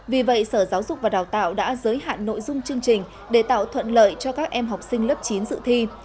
vì vậy sở giáo dục và đào tạo đã giới hạn nội dung chương trình để tạo thuận lợi cho các em học sinh lớp chín dự thi